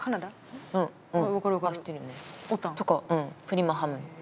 うんプリマハムに。